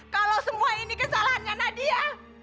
kalau semua ini kesalahannya nadia